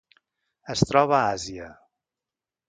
Es troba a Àsia: